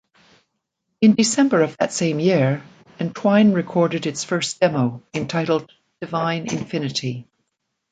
In December of that same year, Entwine recorded its first demo entitled "Divine Infinity".